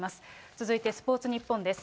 続いてスポーツニッポンです。